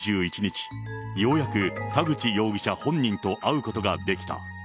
４月２１日、ようやく、田口容疑者本人と会うことができた。